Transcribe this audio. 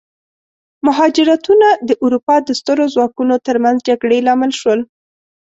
مهاجرتونه د اروپا د سترو ځواکونو ترمنځ جګړې لامل شول.